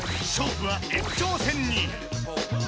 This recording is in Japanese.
勝負は延長戦に。